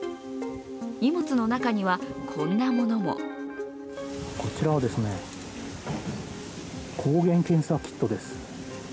荷物の中にはこんなものもこちらはですね、抗原検査キットです。